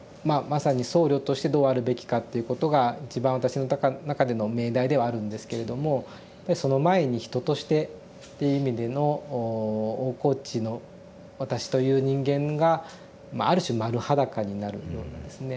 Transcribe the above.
まさに「僧侶としてどうあるべきか」っていうことが一番私の中での命題ではあるんですけれどもその前に人としてって意味での大河内の私という人間がある種丸裸になるようなですね